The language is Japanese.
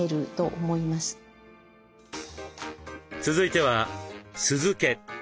続いては酢漬け。